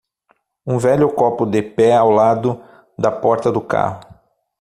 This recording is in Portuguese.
Um velho copo de pé ao lado da porta do carro